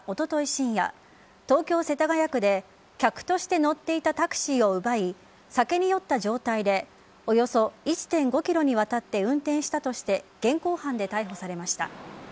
深夜東京・世田谷区で客として乗っていたタクシーを奪い酒に酔った状態でおよそ１．５ｋｍにわたって運転したとして現行犯で逮捕されました。